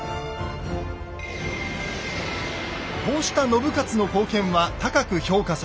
こうした信雄の貢献は高く評価されます。